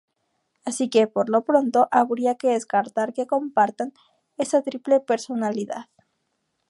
Así que, por lo pronto, habría que descartar que compartan esa triple personalidad.